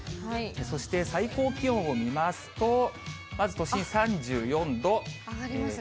そして最高気温を見ますと、上がりますね。